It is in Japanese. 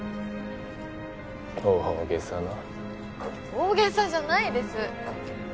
大げさな大げさじゃないです